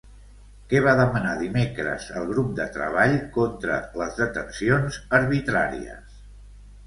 Què va demanar dimecres el Grup de Treball contra les Detencions Arbitràries?